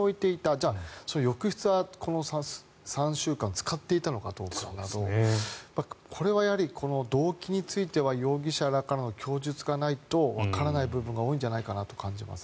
じゃあ、浴室はこの３週間使っていたのかどうかなどこれは動機については容疑者らからの供述がないとわからない部分が多いんじゃないかなと感じます。